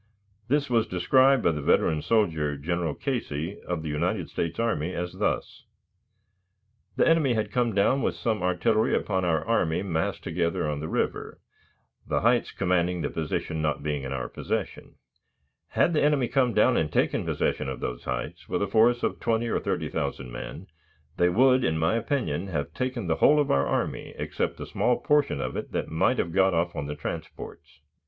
This was described by the veteran soldier, General Casey, of the United States Army, thus: "The enemy had come down with some artillery upon our army massed together on the river, the heights commanding the position not being in our possession. Had the enemy come down and taken possession of those heights with a force of twenty or thirty thousand men, they would, in my opinion, have taken the whole of our army except that small portion of it that might have got off on the transports."